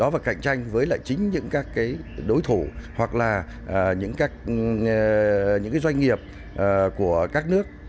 và cạnh tranh với chính những đối thủ hoặc là những doanh nghiệp của các nước